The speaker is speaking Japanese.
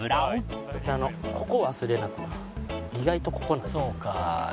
ここ忘れなく意外とここなんよ。